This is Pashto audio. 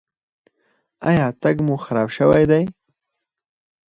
ایا تګ مو خراب شوی دی؟